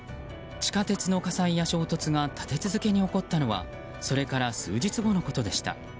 地下鉄の火災や衝突が立て続けに起こったのはそれから数日後のことでした。